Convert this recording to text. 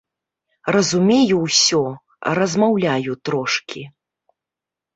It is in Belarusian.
Разумею ўсё, размаўляю трошкі.